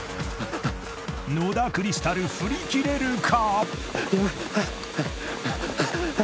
野田クリスタル振り切れるか？］